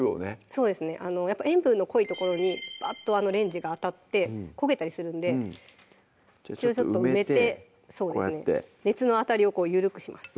そうですねやっぱ塩分の濃い所にばっとレンジが当たって焦げたりするんでちょっと埋めてこうやって熱の当たりを緩くします